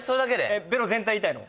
・えっベロ全体痛いの？